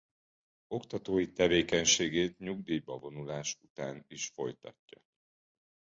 Oktatói tevékenységét nyugdíjba vonulása után is folytatja.